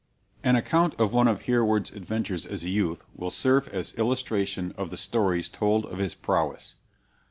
An account of one of Hereward's adventures as a youth will serve as illustration of the stories told of his prowess.